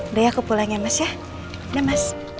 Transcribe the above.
udah ya aku pulang ya mas ya udah mas